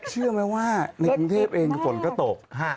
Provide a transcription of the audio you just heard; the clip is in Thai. เชื่อไหมว่าในกรุงเทพเองฝนก็ตก